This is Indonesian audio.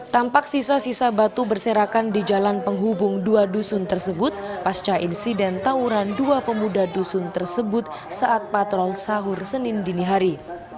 tampak sisa sisa batu berserakan di jalan penghubung dua dusun tersebut pasca insiden tawuran dua pemuda dusun tersebut saat patrol sahur senin dinihari